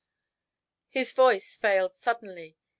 "] His voice failed suddenly.